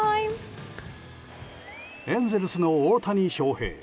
エンゼルスの大谷翔平。